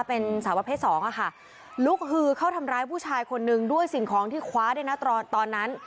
เป็นสาวประเภทสองอะค่ะลุกฮือเข้าทำร้ายผู้ชายคนนึงด้วยสิ่งของที่คว้าด้วยนะตอนตอนนั้น